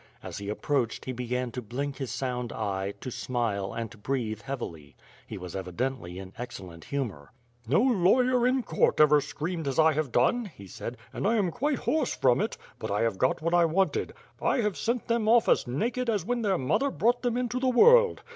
As he approached, he began to blink his sound eye, to smile, and to breathe heavily. He was evi dently in excellent humor. "No lawyer in court ever screamed as I have done,*' he said, "and I am quite hoarse from it, but I have got what I wanted. I have sent them off as naked as when their mother brought them into the world.